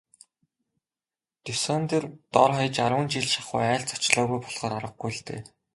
Дюссандер дор хаяж арван жил шахуу айлд зочлоогүй болохоор аргагүй л дээ.